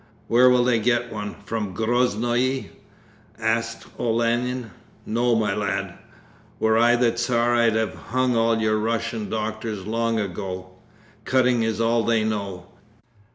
'Where will they get one? From Groznoe?' asked Olenin. 'No, my lad. Were I the Tsar I'd have hung all your Russian doctors long ago. Cutting is all they know!